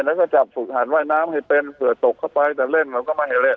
แล้วก็จับฝึกหันว่ายน้ำให้เป็นเผื่อตกเข้าไปแต่เล่นเราก็ไม่ให้เล่น